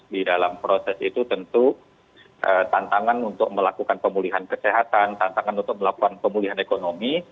di dalam proses itu tentu tantangan untuk melakukan pemulihan kesehatan tantangan untuk melakukan pemulihan ekonomi